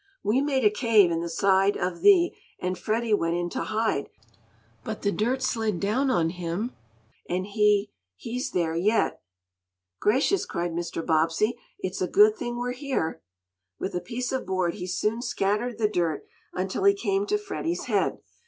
"We made a cave in the side of the and Freddie went in to hide, but he dirt slid down on him and he he's there yet!" "Gracious!" cried Mr. Bobbsey. "It's a good thing we're here!" With a piece of board he soon scattered the dirt until he came to Freddie's head.